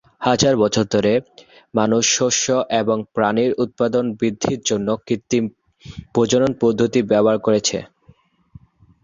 হাজার বছর ধরে মানুষ শস্য এবং প্রাণীর উৎপাদন বৃদ্ধির জন্য কৃত্রিম প্রজনন পদ্ধতি ব্যবহার করেছে।